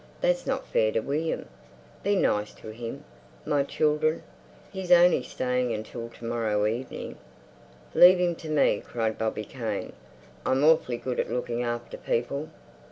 "That's not fair to William. Be nice to him, my children! He's only staying until to morrow evening." "Leave him to me," cried Bobby Kane. "I'm awfully good at looking after people."